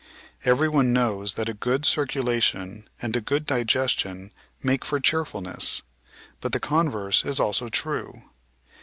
Everyone knows that a good circulation and a good digestion make for cheerfulness, but the converse is also true.